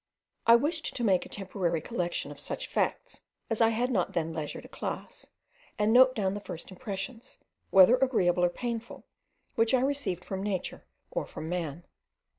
I wished to make a temporary collection of such facts as I had not then leisure to class, and note down the first impressions, whether agreeable or painful, which I received from nature or from man.